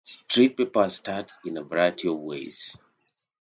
Street papers start in a variety of ways.